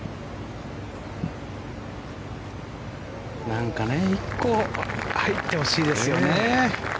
なんかね１個入ってほしいですよね。